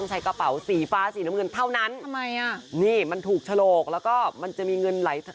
ใส่กระเป๋าสีฟ้าสีน้ำเงินเท่านั้นทำไมอ่ะนี่มันถูกฉลกแล้วก็มันจะมีเงินไหล